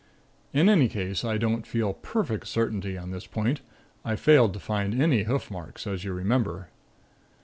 In any case, I don't feel perfect certainty on this point. I failed to find any hoof marks, as you remember.